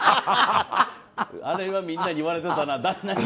あれはみんなに言われてたな。